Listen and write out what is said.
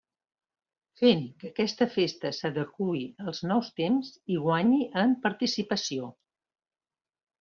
Fent que aquesta festa s'adeqüi als nous temps i guanyi en participació.